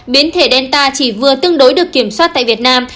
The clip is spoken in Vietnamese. biến thể delta chỉ vừa tương đối được kiểm soát tại việt nam